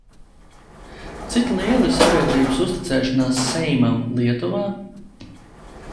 Cik liela ir sabiedrības uzticēšanās Seimam Lietuvā?